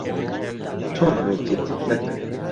تۆم ئەمەی کرد، نەک من.